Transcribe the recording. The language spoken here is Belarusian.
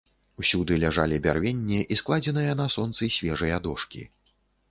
Усюды ляжалі бярвенне і складзеныя на сонцы свежыя дошкі.